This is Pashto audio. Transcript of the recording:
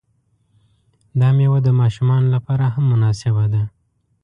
دا میوه د ماشومانو لپاره هم مناسبه ده.